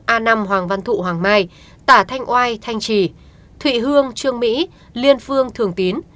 a năm hoàng văn thụ hoàng mai tả thanh oai thanh trì thụy hương trương mỹ liên phương thường tín